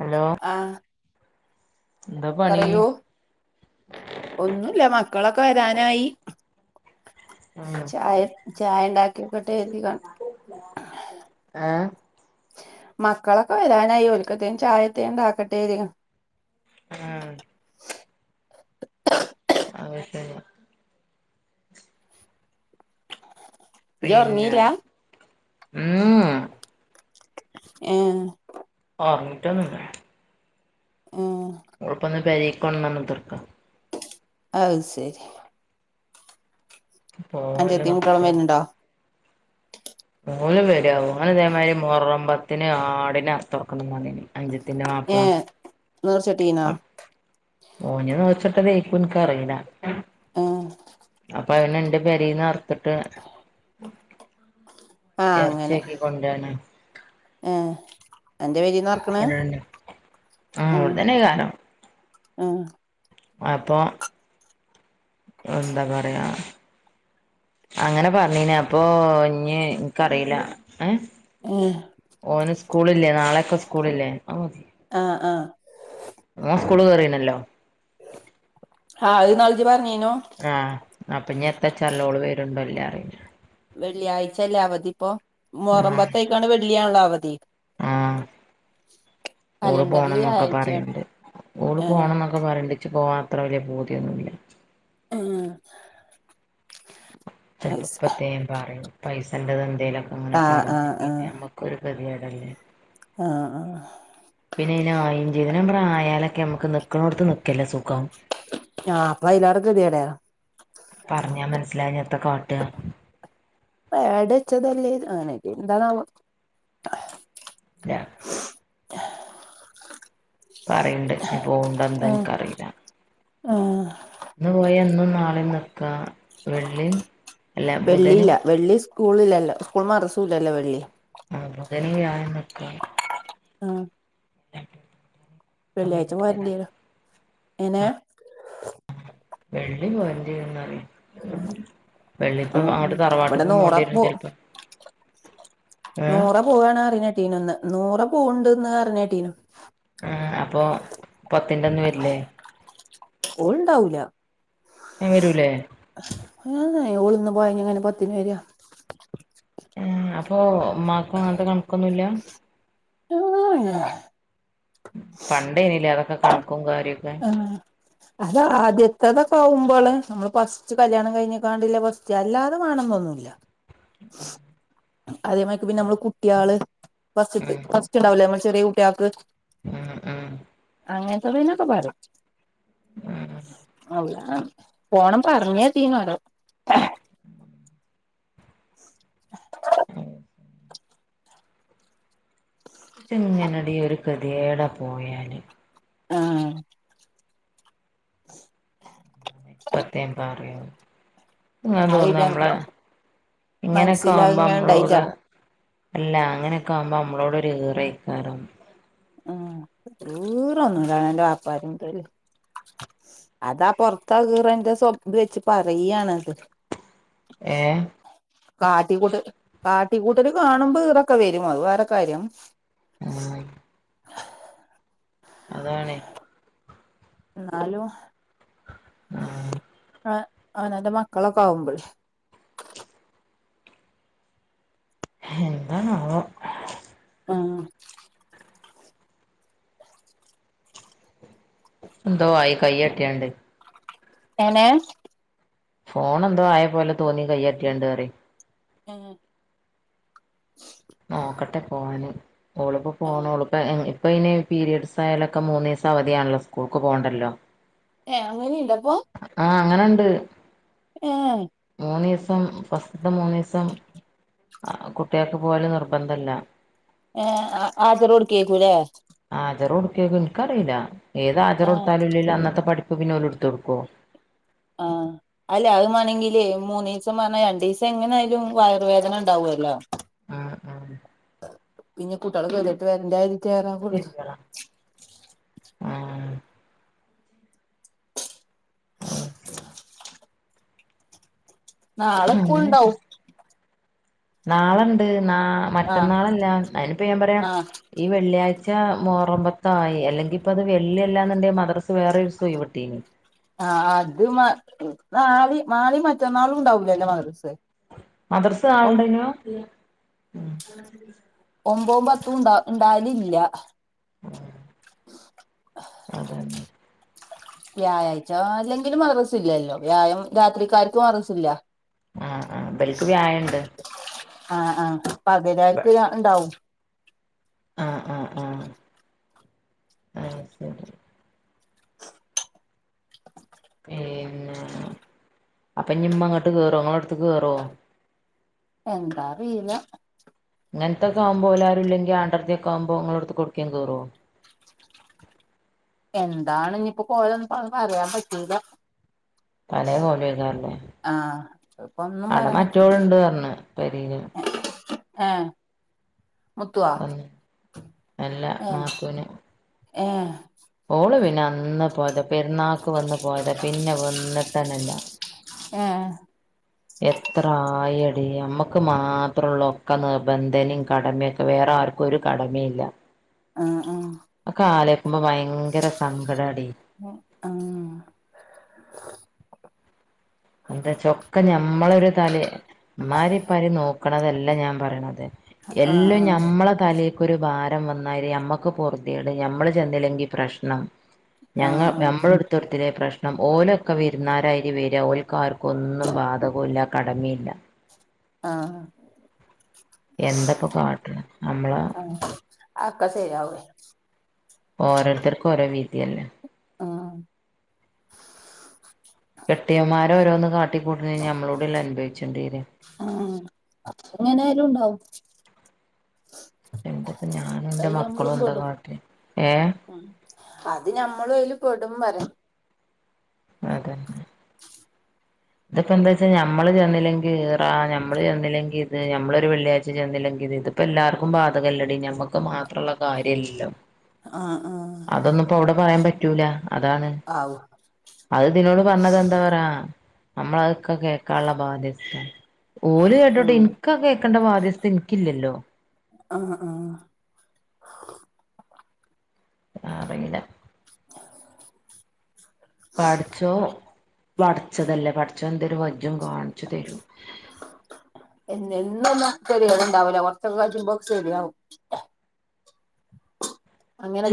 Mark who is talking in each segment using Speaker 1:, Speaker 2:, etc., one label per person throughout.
Speaker 1: Hello
Speaker 2: ആഹ്
Speaker 1: എന്താ പണി
Speaker 2: പറയൂ ഒന്നുല്ല മക്കളൊക്കെ വരാനായി
Speaker 1: ആഹ്
Speaker 2: ചായ ചായ ണ്ടാക്കിക്കട്ടെര്തി നിക്ക
Speaker 1: ആഹ്
Speaker 2: മക്കളൊക്കെ വരാനായി ഓല്ക്കത്തെലും ചായതേം ണ്ടാക്കട്ടെര്തി
Speaker 1: ആഹ് [unintelligible]
Speaker 2: ഇജ്ജ്
Speaker 1: പിന്നെ
Speaker 2: ഉറങ്ങിയില്ല
Speaker 1: ഉം
Speaker 2: ഏഹ്
Speaker 1: ആഹ് നൂട്ടനെന്നെ
Speaker 2: ഉം
Speaker 1: ഓളുപ്പന്ന് പെരീക്കോണന്നർഞ് കുത്തർക്ക
Speaker 2: അഹ് ശരി
Speaker 1: പോലെ
Speaker 2: അഞ്ചത്തിയും കുട്ടികളും
Speaker 1: നട്ക്കോള്ളൂ
Speaker 2: വരുന്നുണ്ടോ
Speaker 1: ഓന് വേര ഓന് ഇതേമാരി മുഹറംമ്പത്തിന് ആടിനെ അറത്ത് ക്കൊടുകണം പറ്ഞ്ഞിനി അഞ്ചത്തിന്റെ മാപ്പള
Speaker 2: നിർച്ചട്ടീനോ
Speaker 1: ഓൻ നീർച്ചഇട്ട തേയ്ക്കും ഇൻക്കറീല
Speaker 2: ആഹ്
Speaker 1: അപ്പൊ അവന് എന്റെ പെരീന്ന് അർത്ത്ട്ട്.
Speaker 2: ആഹ് അങ്ങനെ ആഹ് അന്റെ പോരിന്ന അറ്ക്ക്ണ്
Speaker 1: ആഹ്
Speaker 2: ഉം
Speaker 1: ഇവടെത്തന്നേക്കാരം
Speaker 2: ആഹ്
Speaker 1: അപ്പൊ എന്താ പറയാ അങ്ങനെ പറഞ്ഞീന് അപ്പൊ ഇഞ്ഞി ഇനക്കറില്ല ഏഹ്
Speaker 2: ഏഹ്
Speaker 1: ഓന് സ്കൂളില്ലേ നാളെയൊക്കെ സ്കൂള്ല്ലേ അഹ് മതി
Speaker 2: ആഹ് ആഹ്
Speaker 1: ഓന് സ്കൂൾ കെറീണല്ലോ
Speaker 2: ആഹ് അഹ് ന്നാള്ള് ജ് പറ്ഞ്ഞിനു
Speaker 1: ആഹ് അപ്പൊ ഇനി എത്തപ്പച്ചറീല്ല ഓൾ വെറുണ്ടോല്ലേച്ച റീല്ല
Speaker 2: വെള്ളിയാഴ്ചല്ലേ അവധി ഇപ്പൊ
Speaker 1: ആഹ്
Speaker 2: മുഹറമ്പത്തേക്കാണ്ട് വെള്ളിയാണല്ലോ അവധി
Speaker 1: ആഹ് ഓള്
Speaker 2: കലണ്ടറില്
Speaker 1: പോണം ന്നൊക്കെ
Speaker 2: വ്യാഴാഴ്ചയാണ്
Speaker 1: പറയിണ്ട് ഓള്
Speaker 2: ഏഹ്
Speaker 1: പോണംന്നോക്കെ പറിണ്ട് ഇച്ച് പോക്കാൻ അത്ര വലിയ പൂതിയൊന്നുല്ല
Speaker 2: ആഹ്
Speaker 1: ച്ചെല് പ്പ പ്പതേം ണ്ട് പറയും പൈസണ്ട്ന്ന് എന്തെലും
Speaker 2: ആഹ് ആഹ് ആഹ്
Speaker 1: ഒരു കെതിയെട് അല്ലേ
Speaker 2: ആഹ് ആഹ്
Speaker 1: പിന്നെ അയ്ന് ആയിം ചെയ്ത്ക്ക്ണ് ഞാൻ പറയ ഞമ്മക്ക് ആയാലൊക്കെ നമുക്ക് നിക്ക്ണോത് നിക്കല്ലേ സുഖം
Speaker 2: ആഹ് അപ്പ അയിലാറെ ക്കെതിയാടാ
Speaker 1: പറഞ്ഞാ മനസ്സിലാകാഞ്ഞാ ത്ത കാട്ട
Speaker 2: പേട് വെച്ചതല്ലേ ആണ് എന്താണാവോ
Speaker 1: [inaudible] പറിണ്ട് ഞ്ഞി പോവ്ണ്ടോ എന്താ
Speaker 2: ആഹ്
Speaker 1: ഇന്ക്ക് അറീല്ല.
Speaker 2: ആഹ്
Speaker 1: ഇന്ന് പോയാ ഇന്നും നാളിം നിക്കാ വെള്ളിം അല്ല ബുധനും
Speaker 2: വെള്ളിയില്ല വെള്ളി സ്കൂളില്ലല്ലോ സ്കൂളും മദ്രസുല്ലല്ലോ വെള്ളി
Speaker 1: ആഹ് ബുധനും വ്യാഴും ന്ക്കാ
Speaker 2: ആഹ് വെള്ള്യായ്ച്ച
Speaker 1: കഴിഞ്ഞിട്ട് വരാ
Speaker 2: പോരെണ്ട്യേരും എങ്ങെനെ?
Speaker 1: വെള്ളി പോരെണ്ട്യേരുംന്നറ്യാ വെള്ളിപ്പാേ
Speaker 2: ഉം ഉം
Speaker 1: അങ്ങട്ട്
Speaker 2: ഇവിടെ
Speaker 1: തറവാട്ട്ക്കും
Speaker 2: നൂറ
Speaker 1: പോണ്ട്യെരും
Speaker 2: പോ
Speaker 1: ചെൽപ്പം ഏഹ്
Speaker 2: നൂറ പോവാണ് അറീണേട്ടീനുന്ന് ഇന്നും കൂടെ പോക്ണ്ട്ന്നർഞ്ഞേട്ടീനു
Speaker 1: ഏഹ് അപ്പൊ പത്തിന്റെ അന്ന് വെര്ലേ?
Speaker 2: ഓൾണ്ടാവുലാ
Speaker 1: ഏഹ് വെരൂലേ
Speaker 2: ഏഹ് ഏഹ് ഓള് ഇന്ന് പോയാ ഞ്ഞെങ്ങെനെ പത്ത്ന് വെര്വാ
Speaker 1: ഏഹ് അപ്പോ മ്മാക്കും അങ്ങെൻത്തെ കൺക്കൊന്നുല്ലാ
Speaker 2: ഏഹ് എഹ്
Speaker 1: പണ്ടേനിലേ അതൊക്കെ കണക്കും കാര്യൊക്കെ
Speaker 2: ആഹ് അത് ആദ്യത്തതൊക്കെ ആവുമ്പള് നമ്മള് ഫസ്റ്റ് കല്യാണം കയ്ഞ്ഞ്ക്കാണ്ട്ല്ലെ ഫസ്റ്റ് അല്ലാതെ മാണംന്നൊന്നു ല്ലാ അതേമായ്ക്ക് പിന്നെ മ്മള് കുട്ട്യാള് ഫസ്റ്റ്ത്
Speaker 1: ഉം
Speaker 2: ഫസ്റ്റ്ണ്ടാവുലേ മ്മള് ചെറ്യേ കുട്ട്യാക്ക്
Speaker 1: ഉം ഉം
Speaker 2: അങ്ങൻത്തെതിനൊക്കെ പറിം
Speaker 1: ഉം
Speaker 2: അല്ലാ പോണം പർഞ്ഞേട്ടീനോലോ
Speaker 1: ത്ങ്ങെനെടീ ഒര് കെത്യേടാ പോയാല്
Speaker 2: ആഹ്
Speaker 1: ഇപ്പെത്തേം പറ്യും ഇങ്ങെനെ
Speaker 2: അത്
Speaker 1: തോന്നാ ഞമ്മളെ
Speaker 2: ഇജാനക്ക്
Speaker 1: ഇങ്ങെനെക്കെ
Speaker 2: മനസ്സില്
Speaker 1: ആവ്മ്പ
Speaker 2: അതിങ്ങനെ
Speaker 1: അമ്മളോട്
Speaker 2: ഇണ്ടായിട്ടാ
Speaker 1: അല്ല അങ്ങെനെക്കെ ആവ്‌മ്പം അമ്മളോട് ഒര് ഈറെയ്ക്കാരം
Speaker 2: ഉം ഈറൊന്നുല്ലാ അവനാന്റെ വാപ്പാര് [unintelligible] അതാ പൊർത്താ ഈറെന്റെ സ്വപ് ത്‌വെച്ച് പറയ്യാണത്
Speaker 1: ഏഹ്
Speaker 2: കാട്ടിക്കൂട്ട് കാട്ടിക്കൂട്ടെല് കാണ്‌മ്പ ഈറൊക്കെ വെരും അത് വേറെ കാര്യം
Speaker 1: ഉം അതാണേ
Speaker 2: ന്നാലും
Speaker 1: ഉം
Speaker 2: അ അവനാൻന്റെ മക്കളൊക്കെ ആവുമ്പൾ
Speaker 1: എന്താണാവോ
Speaker 2: ആഹ്
Speaker 1: എന്തോ ആയി കയ്യട്ട്യാണ്ട്
Speaker 2: എങ്ങെനേ
Speaker 1: ഫോണെന്തോ ആയ പോലെ തോന്നി കയ്യട്ട്യാണ്ട്റ്യേ
Speaker 2: ഏഹ് ഏഹ്
Speaker 1: നോക്കട്ടെ പോവാന് ഓൾപ്പാെ
Speaker 2: ആഹ്
Speaker 1: പോണോള്പ്പ എ പ്പയ്ന് പിരീഡ്സായാലൊക്കെ മൂന്നീസവധിയാണ്ല്ലോ സ്കൂൾക്ക് പോണ്ടല്ലോ
Speaker 2: ഏ അങ്ങനെയുണ്ടൊ അപ്പൊ
Speaker 1: ആഹ് അങ്ങനെ ഉണ്ട്
Speaker 2: ഏഹ്
Speaker 1: മൂന്നീസം ഫസ്റ്റത്തെ മൂന്നീസം കുട്ടികൾക്ക് പോവല് നിർബന്ധവല്ല
Speaker 2: ഏഹ് ഹാജറ് കൊടുക്കുവാരിക്കൂലെ
Speaker 1: ഹാജർ കൊടുക്കുക്കോ എനിക്കറിയില്ല ഏത് ആജറ്
Speaker 2: ഏ
Speaker 1: കൊടുത്താലും ഇല്ലേലും അന്നത്തെ പഠിപ്പ് പിന്നെ ഓല് എടുത്ത് കൊടുക്കുവോ
Speaker 2: ആഹ് അല്ലെ അത് വേണെങ്കില് മൂന്നീസം പറഞ്ഞ രണ്ടിസം എങ്ങനെ ആയാലും വയറുവേദന ഉണ്ടാവൂല്ലോ
Speaker 1: ആഹ് ആഹ്
Speaker 2: പിന്നെ കുട്ടികള് വെറുതെ വരണ്ടായിട്ടാരാ കൊടുത്ത്
Speaker 1: അത് ശരി
Speaker 2: നാളെ സ്കൂള് ഇണ്ടാവും
Speaker 1: നാളെ ഉണ്ട് ന
Speaker 2: ആഹ്
Speaker 1: മറ്റന്നാളില്ല അയിനിപ്പ ഞാൻ പറയാം
Speaker 2: ആഹ്
Speaker 1: ഈ വെള്ളിയാഴ്ച മൊഹറം പത്തായി അല്ലെങ്കി ഇപ്പോ അത് വെള്ളിയല്ലാന്നുണ്ടെങ്കിൽ മദ്രസ വേറൊരു ദിവസം ഒഴിവ് കിട്ടീനി
Speaker 2: ആഹ് അത് നാളെയും നാളെയും മറ്റന്നാളും ഉണ്ടാവൂലല്ലേ മദ്രസേ
Speaker 1: മദ്രസ നാളെ ഉണ്ടയിനു
Speaker 2: ഒമ്പതും പത്തും ഉണ്ട ഉണ്ടാവലില്ല
Speaker 1: അത് തന്നെ
Speaker 2: വ്യാഴാഴ്ച അല്ലെങ്കിലും മദ്രസ ഇല്ലല്ലോ വ്യാഴം രാത്രിക്കാലത്ത് മദ്രസയില്ല
Speaker 1: ആഹ് ആഹ് ഇവൽക്ക് വ്യാഴവുണ്ട്
Speaker 2: ആഹ് ആഹ് പതിവ് കാർക്ക് ഉണ്ടാവും
Speaker 1: ആഹ് ആഹ് ആഹ് ആഹ് അത് ശരി പിന്നെ അപ്പൊ ഇനി ഇമ്മ അങ്ങോട്ട് കേറുവോ നിങ്ങടെ അടുത്ത് കേറുവോ
Speaker 2: എന്താ അറിയില്ല
Speaker 1: ഇങ്ങനത്തെയൊക്കെ ആവുമ്പോ ഓല് ആരും ഇല്ലെങ്കിൽ [unintelligible] ആവുമ്പോ നിങ്ങളെടുത്ത് കൊടുക്കാൻ കേറുവോ
Speaker 2: എന്താണ് ഇനിയിപ്പോ കോലവൊന്നും പറയാൻ പറ്റൂല്ല
Speaker 1: പഴയ പോലെ എഴുതാറില്ലേ
Speaker 2: ആഹ് ഇപ്പൊ ഒന്നും
Speaker 1: അവിടെ
Speaker 2: പറയാൻ പറ്റൂല
Speaker 1: മറ്റവളണ്ട് പറഞ്ഞ് കരീന
Speaker 2: ആഹ് മുത്തവാ
Speaker 1: വന്ന് അല്ല
Speaker 2: ഏ
Speaker 1: നാത്തൂന്
Speaker 2: ഏ
Speaker 1: ഓള് പിന്നെ അന്ന് പോയതാ പെരുന്നാക്ക് വന്ന് പോയതാ പിന്നെ വന്നിട്ടന്നെ ഇല്ല
Speaker 2: ഏഹ്
Speaker 1: എത്ര ആയെടി നമ്മക്ക് മാത്രം ഉള്ളൂ ഒക്കെ നിർബന്ധം ഇനി കടമയൊക്കെ വേറെ ആർ ക്കും ഒരു കടമയില്ല
Speaker 2: ആഹ് ആഹ്
Speaker 1: അതൊക്കെ ആലോചിക്കുമ്പോ ഭയങ്കര സങ്കടം ആടി
Speaker 2: ആഹ്
Speaker 1: എന്താ വച്ച ഒക്കെ ഞമ്മളൊരു ച്ചാല് ഉമ്മാനെയും ഉപ്പാനെയും നോക്കണതല്ല ഞാൻ പറയണത്
Speaker 2: ആഹ്
Speaker 1: എല്ലാം
Speaker 2: ആഹ്
Speaker 1: ഞമ്മളെ തലേക്കൊരു ഭാരം വന്നാല് ഞമ്മക്ക് പൊറതി കേട് ഞമ്മള് ചെന്നില്ലെങ്കിൽ പ്രശ്നവാ
Speaker 2: ആഹ്
Speaker 1: ഞങ്ങൾ
Speaker 2: ആഹ്
Speaker 1: ഞമ്മള് എടുത്ത്‌ കൊടുത്തില്ലെ പ്രശ്നം ഓലൊക്കെ വിരുന്നുകാരായിട്ട് വരുവാ ഓൽ ക്കാർക്കും ഒന്നും ബാധകവുമില്ല കടമയില്ല
Speaker 2: ആഹ്
Speaker 1: എന്താ ഇപ്പൊ കാട്ടണ് നമ്മളാ
Speaker 2: അതൊക്കെ ശരിയാവും
Speaker 1: ഓരോരുത്തർക്ക്‌ ഓരോ വിധിയന്നെ.
Speaker 2: ആഹ്.
Speaker 1: കെട്ടിയോന്മാരോരോന്ന് കാട്ടിക്കൂട്ടണേന് ഞമ്മളൂടിയല്ലേ അനുഭവിച്ചണ്ടി വര്വാ?
Speaker 2: ആഹ് അതെങ്ങനെയായാലും ഇണ്ടാവും.
Speaker 1: എന്താപ്പോ ഞാനും എന്റെ മക്കളും എന്താ കാട്ടിയെ? ഏഹ്?
Speaker 2: ആഹ്. അത് ഞമ്മളും അയില് പെടും പറ
Speaker 1: അതന്നെ. ഇതിപ്പോ എന്താച്ചാ ഞമ്മള് ചെന്നില്ലെങ്കിൽ ഈറാ ഞമ്മള് ചെന്നില്ലെങ്കി ഇത് ഞമ്മളൊരു വെള്ളിയാഴ്ച ചെന്നില്ലെങ്കി ഇത് ഇപ്പൊ എല്ലാർക്കും ബാധകല്ലടി? ഞമ്മക്ക് മാത്രള്ള കാര്യല്ലല്ലോ.
Speaker 2: ആഹ് ആഹ്.
Speaker 1: അതൊന്നും ഇപ്പോ അവിടെ പറയാൻ പറ്റൂല അതാണ്.
Speaker 2: ആവൂ.
Speaker 1: അത് ഇതിനോട് പറഞ്ഞ ഇതെന്താ പറയാ ആഹ് നമ്മളതൊക്കെ കേക്കാന്ള്ള ബാധ്യസ്ഥ. ഓല് കേട്ടോട്ടെ.
Speaker 2: ആഹ്
Speaker 1: ഇൻക്കാ കേക്കണ്ട ബാധ്യസ്ഥത ഇൻക്കില്ലല്ലോ?
Speaker 2: ആഹ് ആഹ്.
Speaker 1: അറീല്ല. പടച്ചോ പടച്ചതല്ലേ. പടച്ചോനെന്തേലും വജ്ജും കാണിച്ച് തരും.
Speaker 2: എന്നെന്നും ഒന്ന് [unintelligible] ണ്ടാവൂല. കൊറച്ചൊക്കെ കജ്ജുമ്പോ ശെരിയാവും.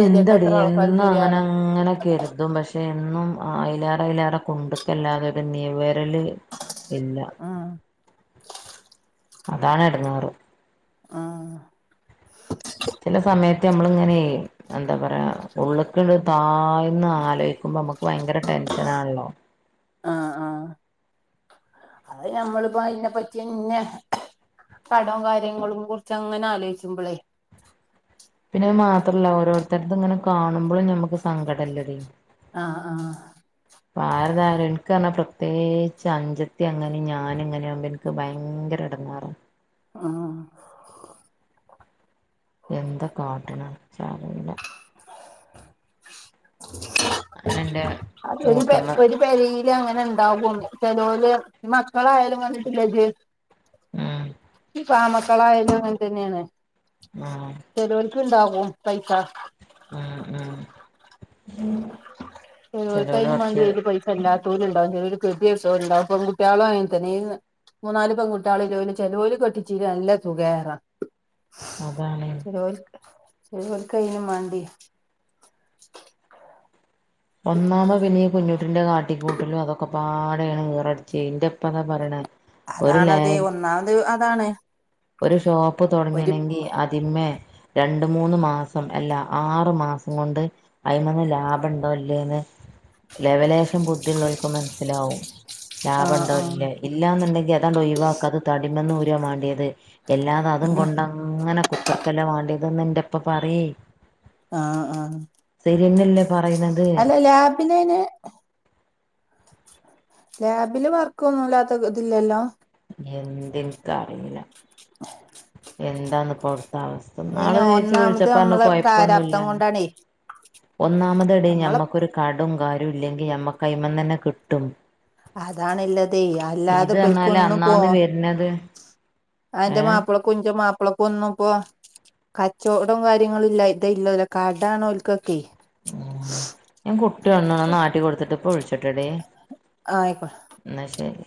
Speaker 2: കെതിയെട്ട
Speaker 1: എന്തടി
Speaker 2: എത്ര ആൾക്കാര്
Speaker 1: എന്നും
Speaker 2: ശരിയാവ്ണ്
Speaker 1: അങ്ങനങ്ങനെ കരുതും പശ്ശെ എന്നും അയ്ലാറെ അയ്ലാറെ കുണ്ട്ക്കല്ലാതൊരു നിവരല് ഇല്ല.
Speaker 2: ആഹ്
Speaker 1: അതാണെടങ്ങാറ്.
Speaker 2: ആഹ്
Speaker 1: ചെല സമയത്ത് നമ്മളിങ്ങനയേ എന്താ പറയാ ഉള്ള്ക്ക്ണ്ട് താഴ്ന്ന് ആലോയ്ക്കുമ്പോ നമ്മുക്ക് ഭയങ്കര ടെൻഷനാണല്ലോ?
Speaker 2: ആഹ് നമ്മളിപ്പോ അതിനെപ്പറ്റിയന്നെ കടം കാര്യങ്ങളും കുറിച്ച് അങ്ങനെ ആലോയ്ച്ച്മ്പളേ
Speaker 1: പിന്നെത് മാത്രമല്ല ഓരോരുത്തർതും ഇങ്ങനെ കാണുമ്പൊളും നമ്മക്ക് സങ്കടല്ലടി.
Speaker 2: ആഹ് ആഹ്.
Speaker 1: ആരതായാലും എൻക്ക്ന്ന് പറഞ്ഞാ പ്രത്യേകിച്ച് അന്ജത്തി അങ്ങനെ ഞാനും ഇങ്ങനെയാവുമ്പോ ഇനി ക്ക് ഭയങ്കര എടങ്ങാറാ.
Speaker 2: ആഹ്.
Speaker 1: എന്താ കാട്ട്ണ് ഇച്ചറീല. ഞാനെന്റെ മൂത്തമ്മ
Speaker 2: [unintelligible] പെരീലങ്ങനെ ഇണ്ടാകും.. ചെലോല് മക്കളായാലും കണ്ടിട്ടില്ലേജ്ജ്?
Speaker 1: ആഹ്.
Speaker 2: പ്പ ആൺമക്കളായാലും അങ്ങനത്തന്നെയാണ്.
Speaker 1: ആഹ്.
Speaker 2: ചെലോര്ക്ക്ണ്ടാകും പൈസ.
Speaker 1: ആഹ് ആഹ്.
Speaker 2: ചെലോല്ക്ക് അയ്നും മാണ്ടി വരും പൈ എല്ലാത്തോല്ണ്ടാവും. ചെലോല് [unintelligible] ണ്ടാവും പെങ്കുട്ട്യാളും അങ്ങനത്തന്നെയ്യ്ന്ന്. മൂന്നാല് പെൺകുട്ട്യാളിള്ളോല് ചെലോല് കെട്ടിച്ചീരി നല്ല സുകേറ.
Speaker 1: അതാണ്.
Speaker 2: ചെലോല്ക്ക് ചെലോല്ക്ക് അയ്നും മാണ്ടി.
Speaker 1: ഒന്നാമത് പിന്നെ ഈ കുഞ്ഞുട്ടിന്റെ കാട്ടിക്കൂട്ടലും അതൊക്കെ പാടെയാണ് ഓറ [unintelligible] ഇന്റപ്പതാ പറയിണെ.
Speaker 2: അതാണ് അതെ ഒന്നാമത് അതാണ്.
Speaker 1: ഒരു ഷോപ്പ്
Speaker 2: ഒരു
Speaker 1: തൊടങ്ങിയാണെങ്കിൽ ആദിയമേ - രണ്ട് മൂന്ന് മാസം അല്ല ആറു മാസം കൊണ്ട് അയിമന്ന് ലാഭ ഇണ്ടോ ലേന്ന് ലവലേശം ബുദ്ധിയുള്ളോൽക്ക് മനസിലാവും
Speaker 2: ആഹ്
Speaker 1: ലാഭണ്ടൊ
Speaker 2: ആഹ്
Speaker 1: ഇല്ലേ. ഇ ഇല്ലാന്നുണ്ടെങ്കി അതങ്ങട്ട് ഒഴിവാക്കുക അത് തടിമേന്ന് ഊരുവാ മാണ്ടീത് അല്ലാതെ അതും കൊണ്ട ങ്ങനെ കുത്തി ഇരിക്കല്ല വേണ്ടിയതെന്ന് ഇന്റപ്പ പറെയ്.
Speaker 2: ആഹ് ആഹ്...
Speaker 1: ശരിയന്നല്ലേ പറയുന്നത്.
Speaker 2: അല്ല ലാബിലയ്ന് ലാബില് വർക്ക് ഒന്നുമില്ലാത്ത ഇതില്ലല്ലോ
Speaker 1: എന്ത് ഇൻക്കറീല. എന്താന്ന് ഇപ്പ അവിടുത്തെ അവസ്ഥ ഇന്നാള്
Speaker 2: അയ്ന്
Speaker 1: ഒരു ചേച്ചി
Speaker 2: ഒന്നാമത്
Speaker 1: വിളിച്ചപ്പൊ പറഞ്ഞു
Speaker 2: നമ്മളെ പ്രാരാബ്ദം
Speaker 1: കൊഴപ്പൊന്നുല്ലാന്ന്
Speaker 2: കൊണ്ടാണേ
Speaker 1: ഒന്നാമത് എടീ
Speaker 2: നമ്മളെ
Speaker 1: ഞമ്മക്കൊരു കടും കാര്യും ഇല്ലെങ്കില് ഞമ്മക്ക് അയ്മന്നന്നെ കിട്ടും
Speaker 2: അതാ നല്ലതെ അല്ലാതെ
Speaker 1: ഇത്
Speaker 2: ഇബൾക്ക്
Speaker 1: പറഞ്ഞാല്
Speaker 2: ഒന്നു പോ
Speaker 1: അന്നാന്ന് വരുന്നത്
Speaker 2: അയിന്റെ
Speaker 1: ഏഹ്
Speaker 2: മാപ്പിള [unintelligible] ക്കഞ്ച മാപ്പിളക്ക ഒന്നു ഇപ്പോ കച്ചവടവും കാര്യങ്ങളും ഇല്ല ഇത ഇല്ലവര കടാണ് ഓൽക്കൊക്കെ
Speaker 1: ഉ ഞൻ കുട്ടിഒന്ന്ന് ആട്ടി കൊടുത്തിട്ട്പ്പ പ്പോ വിളിച്ചാട്ടടി.
Speaker 2: ആയിക്കോ
Speaker 1: ഇന്ന ശരി